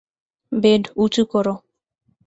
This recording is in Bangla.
বেড উঁচু করো।